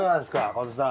小手さん